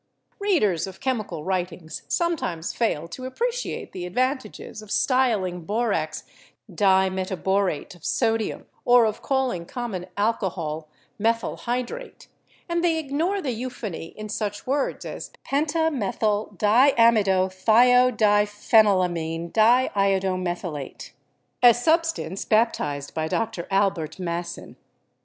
Readers of chemical writings sometimes fail to appre ciate the advantages of styling borax "di meta borate of sodium," or of calling common alcohol "methyl hydrate," and they ignore the euphony in such words as pentamethyl diamidothiodiphenylamindiiodomethylate (a substance bap tized by Dr. Albert Maasen).